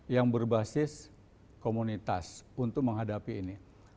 yang berbasis komunitas untuk menghadapi ini